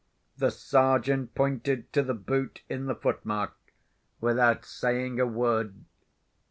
The Sergeant pointed to the boot in the footmark, without saying a word.